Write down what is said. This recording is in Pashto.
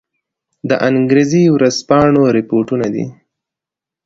د انګرېزي ورځپاڼو رپوټونه دي.